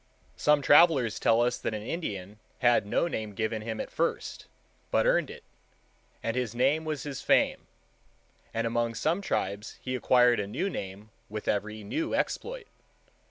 Some travellers tell us that an Indian had no name given him at first, but earned it, and his name was his fame; and among some tribes he acquired a new name with every new exploit.